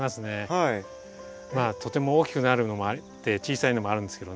まあとても大きくなるのもあって小さいのもあるんですけどね。